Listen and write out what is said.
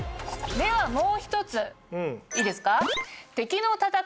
ではもう１ついいですか？